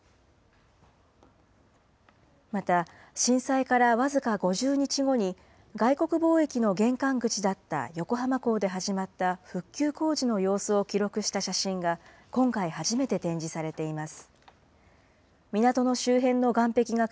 また、震災から僅か５０日後に、外国貿易の玄関口だった横浜港で始まった復旧工事の様子を記録した写真が今回初めて展示されています。